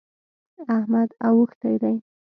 احمد اوښتی دی.